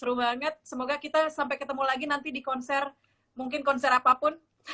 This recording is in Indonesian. seru banget semoga kita sampai ketemu lagi nanti di konser mungkin konser apapun